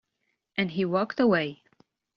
And he walked away.